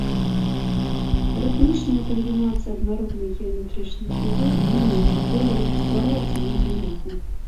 Рытмічныя камбінацыі аднародных геаметрычных фігур, ліній і колеру ствараюць ілюзію руху.